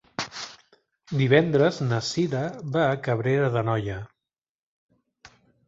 Divendres na Cira va a Cabrera d'Anoia.